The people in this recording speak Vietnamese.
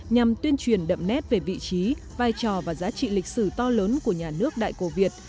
nhằm tuyên truyền đậm nét về vị trí vai trò và giá trị lịch sử to lớn của nhà nước đại cổ việt